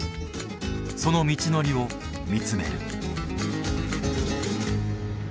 その道のりを見つめる。